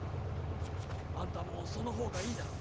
あんたもそのほうがいいだろう。